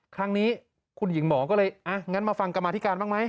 ครั้งนี้คุณหญิงหมอก็เลยอ่ะงั้นมาฟังกรรมาธิการบ้างไหม